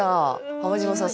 浜島さん